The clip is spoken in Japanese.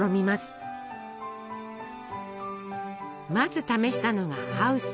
まず試したのが「ハウス」。